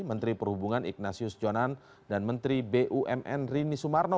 menteri perhubungan ignatius jonan dan menteri bumn rini sumarno